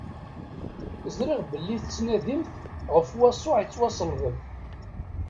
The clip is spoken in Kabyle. Ẓriɣ belli tettnadimt ɣef Yasuɛ ittwaṣellben.